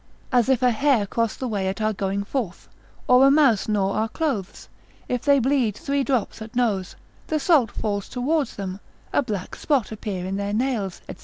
As if a hare cross the way at our going forth, or a mouse gnaw our clothes: if they bleed three drops at nose, the salt falls towards them, a black spot appear in their nails, &c.